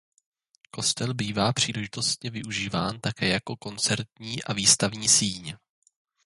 Kostel bývá příležitostně využíván také jako koncertní a výstavní síň.